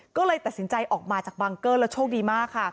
ก็เลยตัดสินใจออกมาจากบังเกอร์แล้วโชคดีมากค่ะ